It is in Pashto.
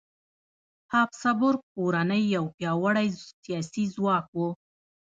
هابسبورګ کورنۍ یو پیاوړی سیاسي ځواک و.